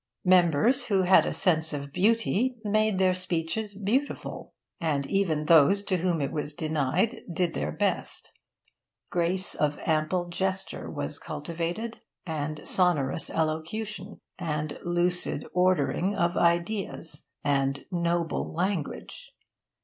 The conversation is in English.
Members who had a sense of beauty made their speeches beautiful, and even those to whom it was denied did their best. Grace of ample gesture was cultivated, and sonorous elocution, and lucid ordering of ideas, and noble language.